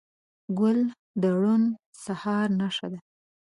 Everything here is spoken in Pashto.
ګل د روڼ سهار نښه ده.